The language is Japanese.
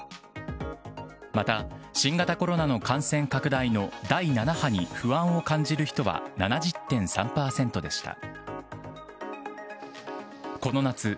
また、新型コロナの感染拡大の第７波に不安を感じる人は７０．３％でした。